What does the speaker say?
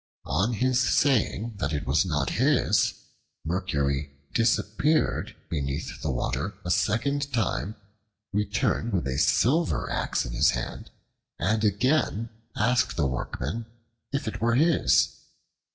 On his saying that it was not his, Mercury disappeared beneath the water a second time, returned with a silver axe in his hand, and again asked the Workman if it were his.